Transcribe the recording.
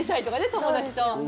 友達と。